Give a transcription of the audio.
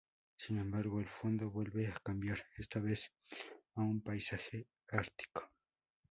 Sin embargo, el fondo vuelve a cambiar, esta vez a un paisaje ártico.